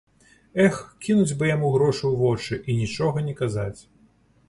Эх, кінуць бы яму грошы ў вочы і нічога не казаць.